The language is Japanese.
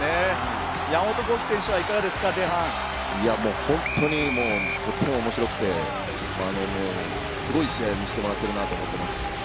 山本浩輝選手、いかがで本当にとても面白くて、すごい試合を見せてもらっているなと思います。